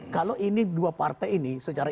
kalau ini dua partai ini secara